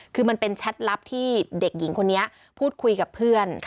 คือมันเป็นแชทลับที่เด็กหญิงคนนี้พูดคุยกับเพื่อน